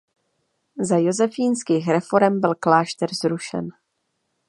Za josefínských reforem byl klášter zrušen.